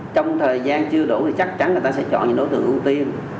trong thời gian chưa đủ thì chắc chắn là ta sẽ chọn những đối tượng ưu tiên